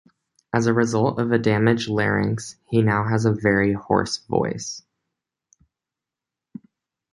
As a result of a damaged larynx, he now has a very hoarse voice.